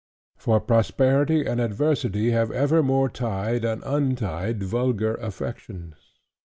For prosperity and adversity have evermore tied and untied vulgar affections.